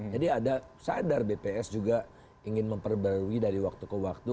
jadi ada sadar bps juga ingin memperbarui dari waktu ke waktu